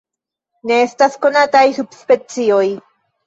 Ne estas konataj subspecioj.